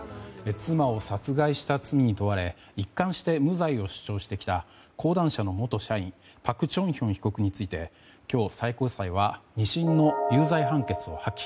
妻を殺害した罪に問われ一貫して無罪を主張してきた講談社の元社員パク・チョンヒョン被告について今日、最高裁は２審の有罪判決を破棄。